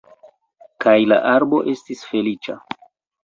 Kaj la arbo estis feliĉa.